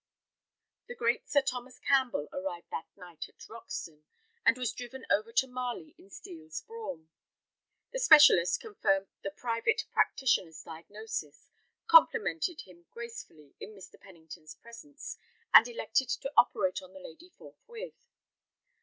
The great Sir Thomas Campbell arrived that night at Roxton, and was driven over to Marley in Steel's brougham. The specialist confirmed the private practitioner's diagnosis, complimented him gracefully in Mr. Pennington's presence, and elected to operate on the lady forthwith.